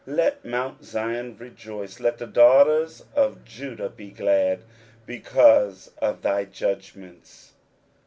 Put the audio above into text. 1 1 Let mount Zion rejoice, let the daughters of Judah be glad, because of thy judgments.